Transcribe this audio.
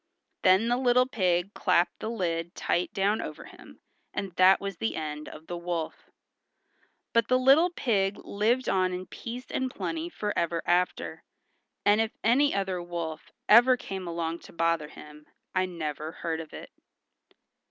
Then the little pig clapped the lid tight down over him, and that was the end of the wolf. But the little pig lived on in peace and plenty forever after, and if any other wolf ever came along to bother him I never heard of it.